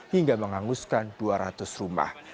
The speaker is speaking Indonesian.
hingga menghanguskan dua ratus rumah